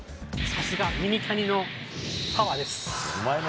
さすがミニタニのパワーです。